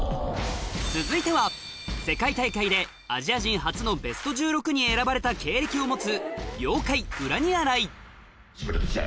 続いては世界大会でアジア人初のベスト１６に選ばれた経歴を持つ